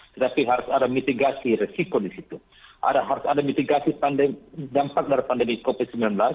tetapi harus ada mitigasi resiko di situ harus ada mitigasi dampak dari pandemi covid sembilan belas